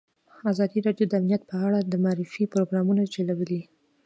ازادي راډیو د امنیت په اړه د معارفې پروګرامونه چلولي.